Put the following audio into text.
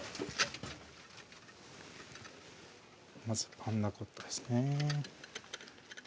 まずパンナコッタですね